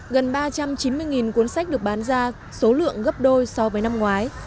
gần ba trăm chín mươi cuốn sách được bán ra số lượng gấp đôi so với năm ngoái